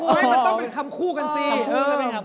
ไม่ต้องเป็นคำคู่กันสิ